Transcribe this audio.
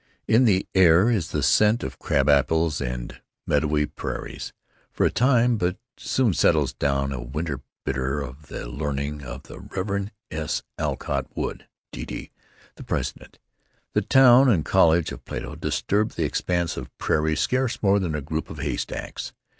In the air is the scent of crab apples and meadowy prairies, for a time, but soon settles down a winter bitter as the learning of the Rev. S. Alcott Wood, D.D., the president. The town and college of Plato disturb the expanse of prairie scarce more than a group of haystacks.